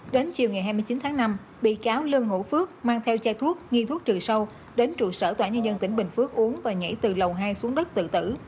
đến chiều ngày hai mươi chín tháng năm bị cáo lương hữu phước mang theo chai thuốc nghiên thuốc trừ sâu đến trụ sở tòa nhà dân tỉnh bình phước uống và nhảy từ lầu hai xuống đất tự tử